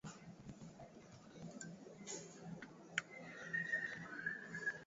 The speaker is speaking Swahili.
Kioo cha gari kilikuwa wazi bado akamuomba mmoja amuitie yule mwanamke